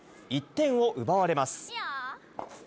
１点を奪われます。